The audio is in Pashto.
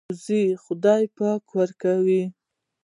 روزۍ خدای پاک ورکوي.